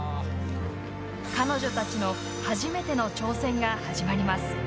彼女たちの初めての挑戦が始まります。